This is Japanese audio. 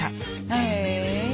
へえ。